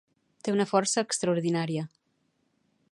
Té una força extraordinària.